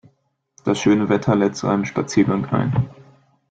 Das schöne Wetter lädt zu einem Spaziergang ein.